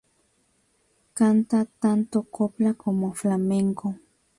Canta tanto copla como flamenco.